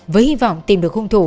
với hy vọng tìm được hung thủ